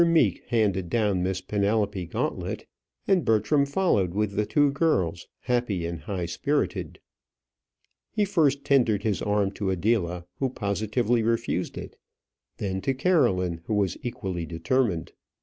Meek handed down Miss Penelope Gauntlet, and Bertram followed with the two girls, happy and high spirited. He first tendered his arm to Adela, who positively refused it; then to Caroline, who was equally determined.